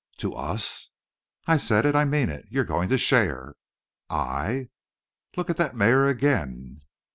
"To us?" "I said it. I mean it. You're going to share." "I " "Look at that mare again!"